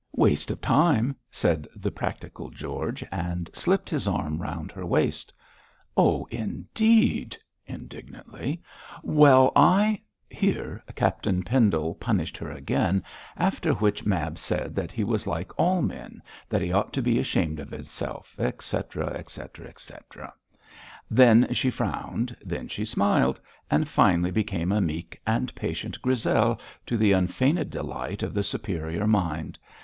'Waste of time,' said the practical George, and slipped his arm round her waist. 'Oh, indeed!' indignantly 'well, I ' Here Captain Pendle punished her again, after which Mab said that he was like all men, that he ought to be ashamed of himself, etc., etc., etc. Then she frowned, then she smiled, and finally became a meek and patient Grissel to the unfeigned delight of the superior mind.